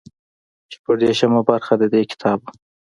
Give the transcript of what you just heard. شپږ دېرشمه برخه د دې کتاب وو.